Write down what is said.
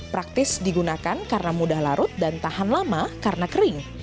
praktis digunakan karena mudah larut dan tahan lama karena kering